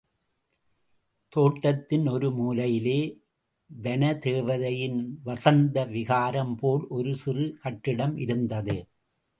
தோட்டத்தின் ஒரு மூலையிலே, வனதேவதையின் வஸந்த விஹாரம் போல் ஒரு சிறு கட்டிடம் இருந்தது.